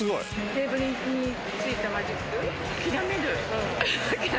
テーブルについたマジック、諦める。